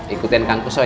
ikutin kangkus oh ya